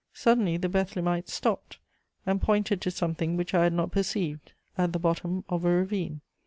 Suddenly the Bethlemites stopped and pointed to something which I had not perceived, at the bottom of a ravine.